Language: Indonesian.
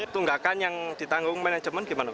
tunggakan yang ditanggung manajemen gimana